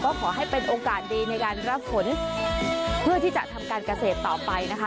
ก็ขอให้เป็นโอกาสดีในการรับฝนเพื่อที่จะทำการเกษตรต่อไปนะคะ